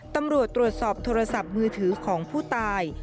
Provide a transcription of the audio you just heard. ตำรวจตรวจสอบโทรศัพท์มือถือของผู้ตาย